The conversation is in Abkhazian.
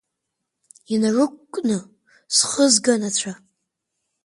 Инарықәкны, схысганацәа…